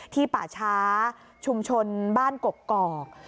ป่าช้าชุมชนบ้านกกอก